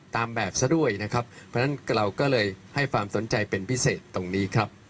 ตามแบบซะด้วยนะครับเพราะฉะนั้นเราก็เลยให้ความสนใจเป็นพิเศษตรงนี้ครับ